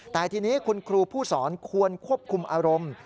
แต่ทีนี้คุณครูผู้สอนควรควบคุมอารมณ์